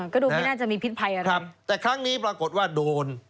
ก็ดูไม่น่าจะมีพิษภัยอะไรครับแต่ครั้งนี้ปรากฏว่าโดน